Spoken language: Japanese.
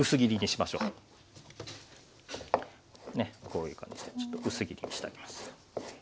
こういう感じでちょっと薄切りにしてあげます。